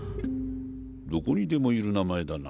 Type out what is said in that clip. どこにでもいる名前だな。